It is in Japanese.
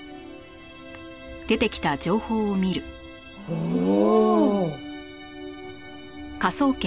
おお。